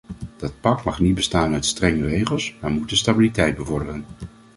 Dat pact mag niet bestaan uit strenge regels maar moet de stabiliteit bevorderen.